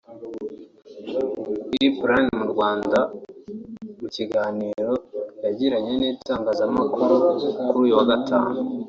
E Plan mu Rwanda mu kiganiro yagiranye n’itangazamakuru kuri uyu wa Gatanu